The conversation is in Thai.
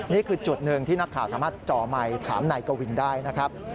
นี่คือจุดหนึ่งที่นักข่าวสามารถจ่อไมค์ถามนายกวินได้นะครับ